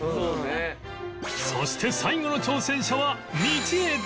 そして最後の挑戦者は道枝